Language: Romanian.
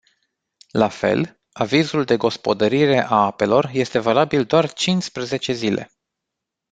La fel, avizul de gospodărire a apelor este valabil doar cinsprezece zile.